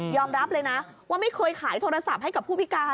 รับเลยนะว่าไม่เคยขายโทรศัพท์ให้กับผู้พิการ